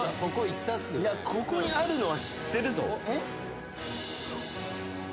いやここにあるのは知ってるぞえっ？